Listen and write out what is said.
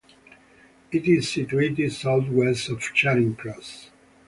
It is situated southwest of Charing Cross.